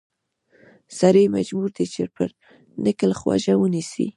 سړی مجبور دی چې پر نکل غوږ ونیسي.